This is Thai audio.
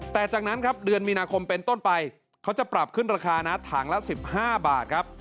แต่จากนั้นครับเดือนมีนาคมเป็นต้นไปเขาจะปรับขึ้นราคานะถังละ๑๕บาทครับ